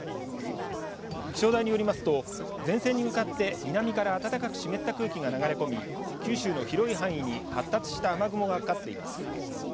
気象台によりますと前線に向かって南から暖かく湿った空気が流れ込み九州の広い範囲に発達した雨雲がかかっています。